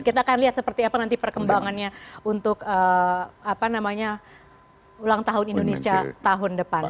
kita akan lihat seperti apa nanti perkembangannya untuk ulang tahun indonesia tahun depan